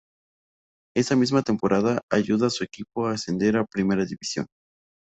Esa misma temporada ayuda a su equipo a ascender a Primera división.